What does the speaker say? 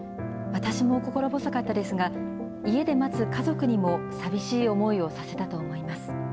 私も心細かったですが、家で待つ家族にも寂しい思いをさせたと思います。